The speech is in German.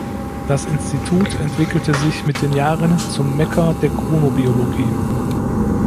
Das Institut entwickelte sich mit den Jahren zum Mekka der Chronobiologie.